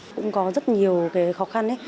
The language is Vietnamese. cũng có rất nhiều khó khăn